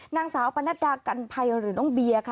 นางสาวปนัดดากันภัยหรือน้องเบียร์ค่ะ